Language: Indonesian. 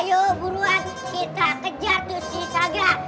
ayo buruan kita kejar tuh si saga